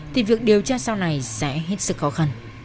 thì việc điều tra sau này sẽ hết sức khó khăn